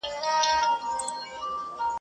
يو نه شل ځلي په دام كي يم لوېدلى.